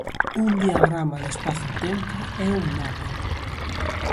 Un diagrama de espazo-tempo é un mapa.